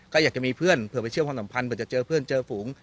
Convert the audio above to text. ก็อยากจะมีเพื่อนเผื่อไปเชื่อมความสัมพันธ์เผื่อจะเจอเพื่อนเจอฝูง